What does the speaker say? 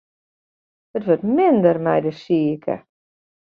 It wurdt minder mei de sike.